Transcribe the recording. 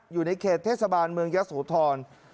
อยู่ในเขตเทศบาลเมืองยะโสธร